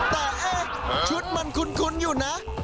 แต่ชุดมันคุ้นอยู่นะ